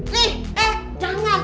nih eh jangan